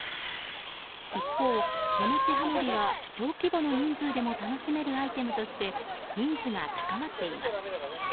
一方、手持ち花火は小規模の人数でも楽しめるアイテムとしてニーズが高まっています。